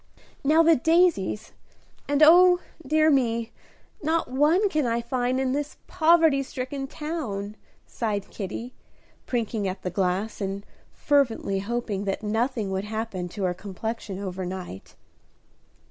"Now the daisies; and oh, dear me, not one can I find in this poverty stricken town," sighed Kitty, prinking at the glass, and fervently hoping that nothing would happen to her complexion over night.